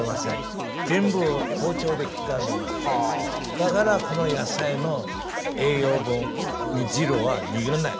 だから野菜の栄養分煮汁は逃げない。